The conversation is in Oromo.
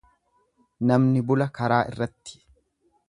Namni bula karaa irratti.